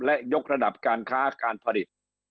และยกระดับการค้าการผลิต